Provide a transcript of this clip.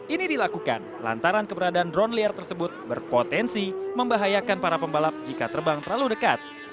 ini dilakukan lantaran keberadaan drone liar tersebut berpotensi membahayakan para pembalap jika terbang terlalu dekat